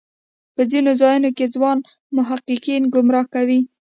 په ځینو ځایونو کې ځوان محققین ګمراه کوي.